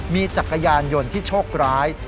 มีจักรยานยนต์ที่โชคร้าย